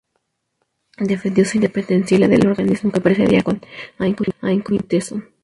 Defendió su independencia y la del organismo que presidía con ahínco y tesón.